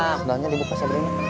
sudahnya dibuka sebelumnya